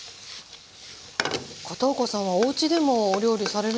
片岡さんはおうちでもお料理されるんですか？